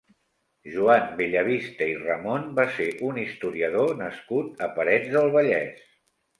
Joan Bellavista i Ramon va ser un historiador nascut a Parets del Vallès.